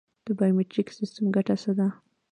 د بایومتریک سیستم ګټه څه ده؟